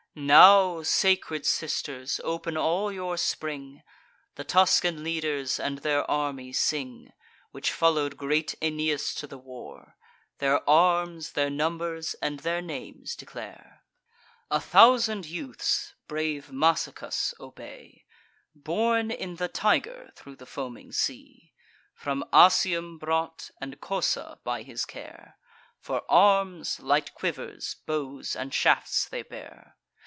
Now, sacred sisters, open all your spring! The Tuscan leaders, and their army sing, Which follow'd great Aeneas to the war: Their arms, their numbers, and their names declare. A thousand youths brave Massicus obey, Borne in the Tiger thro' the foaming sea; From Asium brought, and Cosa, by his care: For arms, light quivers, bows and shafts, they bear.